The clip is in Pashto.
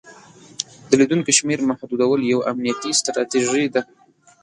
د لیدونکو شمیر محدودول یوه امنیتي ستراتیژي ده.